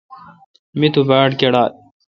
می تو باڑ کیڈال۔